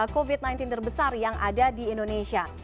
covid sembilan belas terbesar yang ada di indonesia